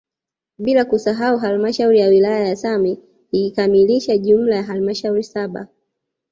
Bila kusahau halmashauri ya wilaya ya Same ikikamilisha jumla ya halmashauri saba